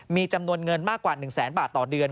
มีจำนวนเงินมากกว่า๑แสนบาทต่อเดือน